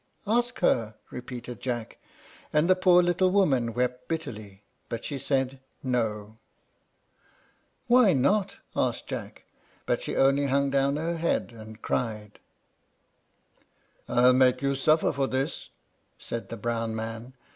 "Ask her," repeated Jack; and the poor little woman wept bitterly, but she said, "No." "Why not?" asked Jack; but she only hung down her head and cried. "I'll make you suffer for this," said the brown man.